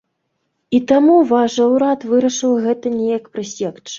І таму ваш жа ўрад вырашыў гэта неяк прысекчы.